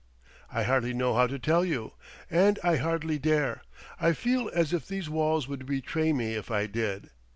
"I hardly know how to tell you. And I hardly dare: I feel as if these walls would betray me if I did....